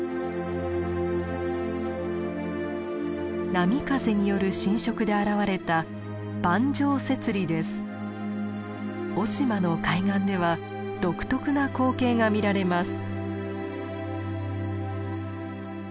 波風による浸食で現れた雄島の海岸では独特な光景が見られます。